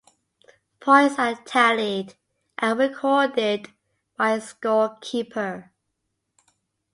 Points are tallied and recorded by a score-keeper.